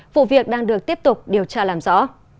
vụ việc đang được tiếp tục điều tra làm rõ